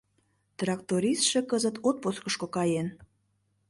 Трактористше кызыт отпускышко каен.